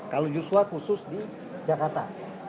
kalau joshua khusus di jakarta